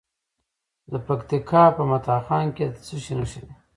د پکتیکا په متا خان کې د څه شي نښې دي؟